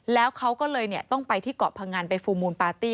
แล้วเขาก็เลยต้องไปที่เกาะพงันไปฟูลมูลปาร์ตี้